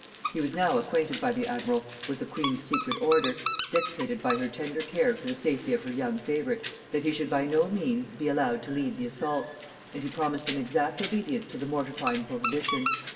He was now acquainted by the admiral with the queen's secret order, dictated by her tender care for the safety of her young favorite, that he should by no means be allowed to lead the assault; and he promised an exact obedience to the mortifying prohibition.